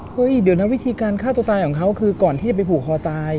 เดี๋ยวนะวิธีการฆ่าตัวตายของเขาคือก่อนที่จะไปผูกคอตาย